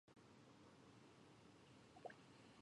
索尔尼。